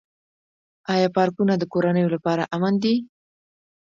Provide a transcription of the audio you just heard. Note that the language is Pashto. آیا پارکونه د کورنیو لپاره امن دي؟